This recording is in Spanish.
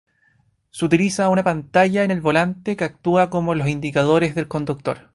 Se utiliza una pantalla en el volante que actúa como los indicadores del conductor.